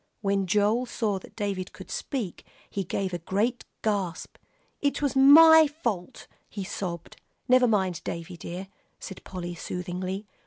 When Joel saw that David could speak, he gave a great gasp. "It was my fault," he sobbed. "Never mind, Davie dear," said Polly, soothingly.